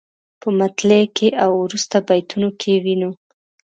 په مطلع کې او وروسته بیتونو کې وینو.